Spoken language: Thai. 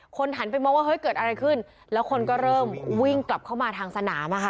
หันไปมองว่าเฮ้ยเกิดอะไรขึ้นแล้วคนก็เริ่มวิ่งกลับเข้ามาทางสนามอะค่ะ